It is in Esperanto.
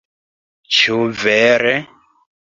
Ĉu vere?"